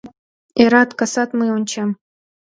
Эрат, касат мый ончем